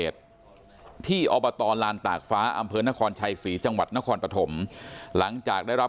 ที่อบตลานตากฟ้าอำเภอนครชัยศรีจังหวัดนครปฐมหลังจากได้รับ